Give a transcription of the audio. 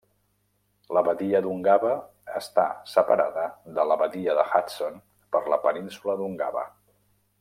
La badia d'Ungava està separada de la badia de Hudson per la península d'Ungava.